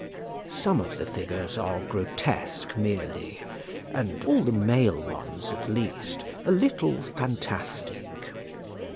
Some of the figures are grotesque merely, and all the male ones at least, a little fantastic.